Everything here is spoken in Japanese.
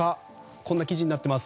こんな記事になっています。